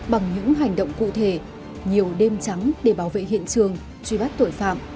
bằng những hành động cụ thể nhiều đêm trắng để bảo vệ hiện trường truy bắt tội phạm